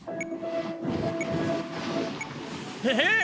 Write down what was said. えっ！？